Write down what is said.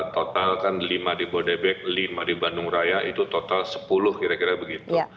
total kan lima di bodebek lima di bandung raya itu total sepuluh kira kira begitu